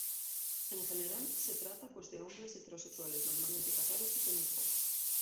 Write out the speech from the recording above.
En general, se trata pues de hombres heterosexuales, normalmente casados y con hijos.